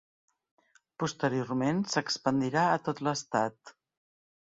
Posteriorment s'expandirà a tot l'estat.